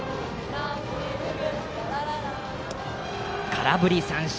空振り三振。